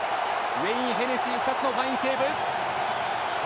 ウェイン・ヘネシー２つのファインセーブ！